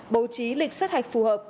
bầu trí lịch sát hạch phù hợp